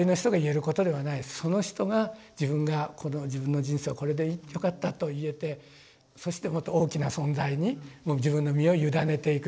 その人が自分がこの自分の人生をこれでよかったと言えてそしてもっと大きな存在に自分の身を委ねていくと。